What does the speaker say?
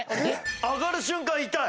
上がる瞬間痛い！